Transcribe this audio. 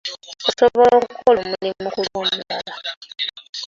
Osobola okukola omulimu ku lw'omulala.